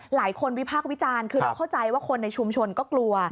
วิพากษ์วิจารณ์คือเราเข้าใจว่าคนในชุมชนก็กลัว